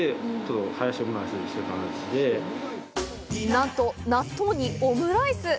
なんと、納豆にオムライス！？